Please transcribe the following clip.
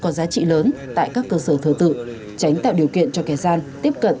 có giá trị lớn tại các cơ sở thờ tự tránh tạo điều kiện cho kẻ gian tiếp cận